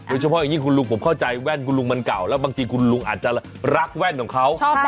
เฉพาะอย่างนี้คุณลุงผมเข้าใจแว่นคุณลุงมันเก่าแล้วบางทีคุณลุงอาจจะรักแว่นของเขา